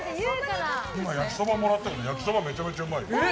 今、焼きそばもらったけどめちゃめちゃうまい。